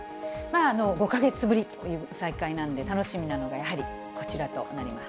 ５か月ぶりという再開なんで、楽しみなのがやはり、こちらとなります。